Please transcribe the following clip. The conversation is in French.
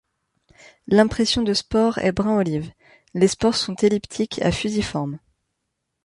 L'impression de spores est brun olive, les spores sont elliptiques à fusiformes.